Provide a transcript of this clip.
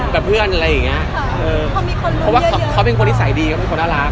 ค่ะเขามีคนรุนเยอะเพราะว่าเขาเป็นคนที่ใส่ดีเขาเป็นคนน่ารัก